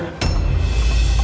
eh dia mau kabur